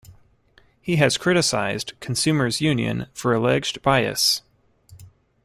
He has criticized Consumers Union for alleged bias.